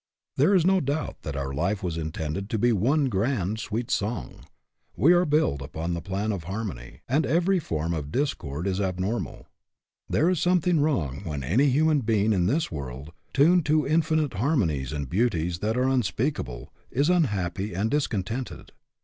There is no doubt that our life was intended to be one grand, sweet song. We are built upon the plan of Earmony, and every form of discord is abnormal. There is something wrong when any human being in this world, tuned to infinite harmonies and beauties that are unspeakable, is unhappy and discontented.